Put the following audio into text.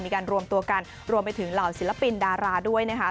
มีการรวมตัวกันรวมไปถึงเหล่าศิลปินดาราด้วยนะคะ